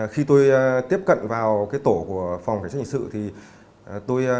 khi tôi tiếp cận vào cái tổ của phòng cảnh sát hình sự thì tôi